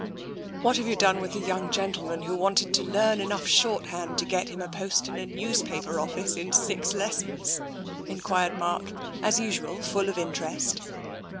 "What have you done with the young gentleman who wanted to learn enough shorthand to get him a post in a newspaper office in six lessons ?" enquired Mark, as usual full of interest.